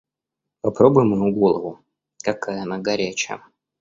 Попробуй мою голову, какая она горячая.